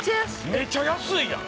めっちゃ安いやん！